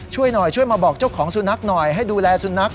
ช่วยหน่อยช่วยมาบอกเจ้าของสุนัขหน่อยให้ดูแลสุนัข